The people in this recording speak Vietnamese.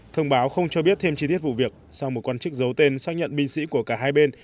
thông báo không cho biết thêm chi tiết vụ việc sau một quan chức giấu tên xác nhận binh sĩ của cả hai bên